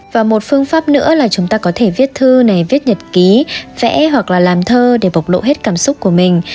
và một phương pháp nữa là chúng ta có thể viết thư này viết nhật ký vẽ hoặc là làm thơ để bộc lộ hết cảm xúc của mình